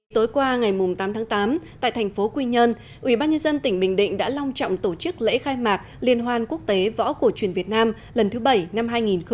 tối qua ngày tám tháng tám tại thành phố quy nhơn ubnd tỉnh bình định đã long trọng tổ chức lễ khai mạc liên hoan quốc tế võ cổ truyền việt nam lần thứ bảy năm hai nghìn một mươi chín